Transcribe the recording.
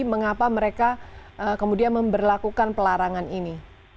mengapa mereka kemudian memperlakukan pelarangan ini